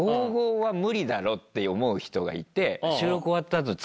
５５は無理だろって思う人がいて。